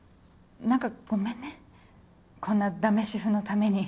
何かごめんねこんなだめ主婦のために。